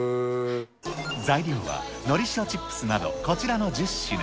材料はのり塩チップスなどこちらの１０品。